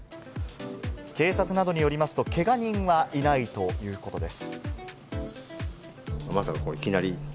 警察などによりますと、けが人はいないということです。